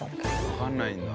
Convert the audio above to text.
わかんないんだ。